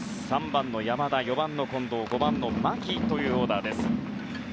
３番の山田、４番の近藤５番の牧というオーダーです。